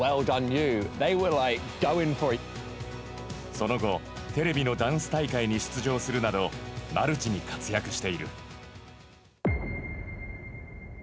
その後、テレビのダンス大会に出場するなどマルチに活躍している。